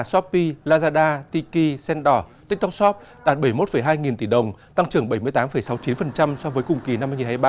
shopee lazada tiki sendor tiktok shop đạt bảy mươi một hai nghìn tỷ đồng tăng trưởng bảy mươi tám sáu mươi chín so với cùng kỳ năm hai nghìn hai mươi ba